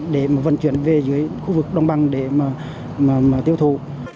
để vận chuyển về dưới khu vực đông băng để tiêu thụ